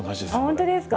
本当ですか？